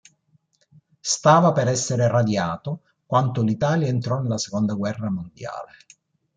Stava per essere radiato, quanto l'Italia entrò nella seconda guerra mondiale.